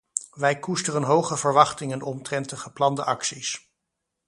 Wij koesteren hoge verwachtingen omtrent de geplande acties.